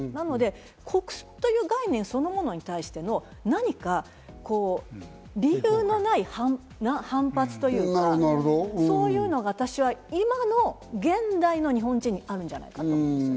なので国葬という概念そのものに対しての何か理由のない反発というか、そういうのが私は今の現代の日本人にあるんじゃないかと思うんです。